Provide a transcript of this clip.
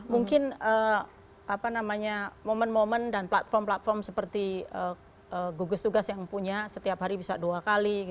mungkin momen momen dan platform platform seperti gugus tugas yang punya setiap hari bisa dua kali